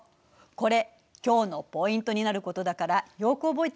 これ今日のポイントになることだからよく覚えておいてね。